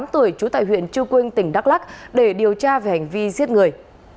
một mươi tuổi trú tại huyện chư quynh tỉnh đắk lắc để điều tra về hành vi giết người